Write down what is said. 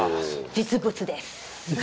実物です。